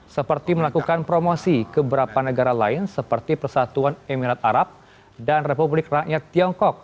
seperti melakukan promosi ke beberapa negara lain seperti persatuan emirat arab dan republik rakyat tiongkok